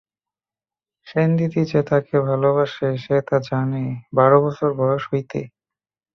সেনদিদি যে তাকে ভালোবাসে সে তা জানে বারো বছর বয়স হইতে।